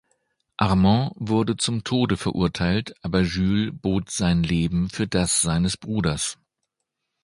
Armand wurde zum Tode verurteilt, aber Jules bot sein Leben für das seines Bruders.